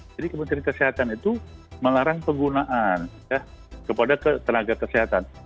jadi kementerian kesehatan itu melarang penggunaan kepada tenaga kesehatan